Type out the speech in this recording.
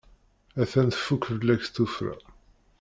A-t-an tfukk fell-ak tuffra.